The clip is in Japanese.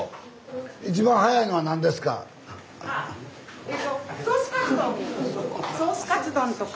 一番早いのは何ですか？